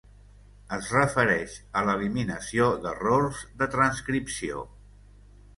Es refereix a l'eliminació d'errors de transcripció.